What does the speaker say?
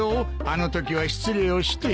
あのときは失礼をして。